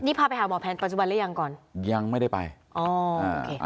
นี่พาไปหาหมอแผนปัจจุบันหรือยังก่อนยังไม่ได้ไปอ๋ออ่า